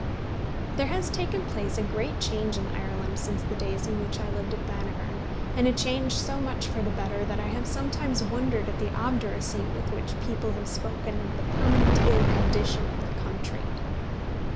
There has taken place a great change in Ireland since the days in which I lived at Banagher, and a change so much for the better, that I have sometimes wondered at the obduracy with which people have spoken of the permanent ill condition of the country.